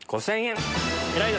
５０００円。